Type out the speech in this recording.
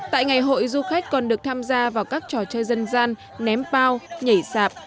tại ngày hội du khách còn được tham gia vào các trò chơi dân gian ném bao nhảy sạp